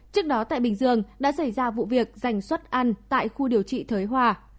trước đó tại bình dương đã xảy ra vụ việc giành xuất ăn tại khu điều trị thới hòa